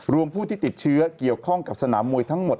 ผู้ที่ติดเชื้อเกี่ยวข้องกับสนามมวยทั้งหมด